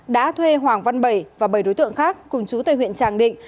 đã thuê hoàng văn bảy và bảy đối tượng khác cùng chú tây huyện tràng định